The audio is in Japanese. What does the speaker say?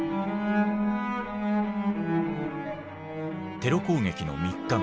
テロ攻撃の３日後。